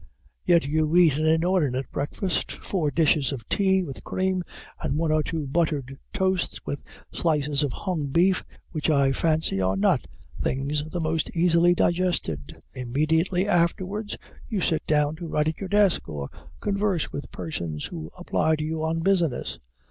Yet you eat an inordinate breakfast, four dishes of tea, with cream, and one or two buttered toasts, with slices of hung beef, which I fancy are not things the most easily digested. Immediately afterwards you sit down to write at your desk, or converse with persons who apply to you on business.